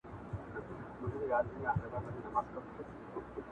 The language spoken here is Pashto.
او لا هم ادامه لري